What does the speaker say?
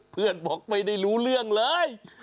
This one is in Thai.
เพื่อนบอกไม่ได้รู้เรื่องเลย